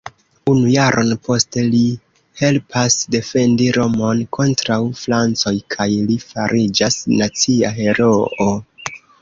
Unu jaron poste li helpas defendi Romon kontraŭ francoj kaj li fariĝas nacia heroo.